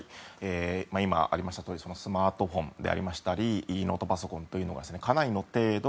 今、ありましたとおりスマートフォンでありましたりノートパソコンというのはかなりの程度